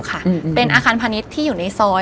เป็นอาคารพาณิชย์ที่อยู่ในซอย